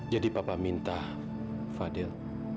jadi pak minta fadil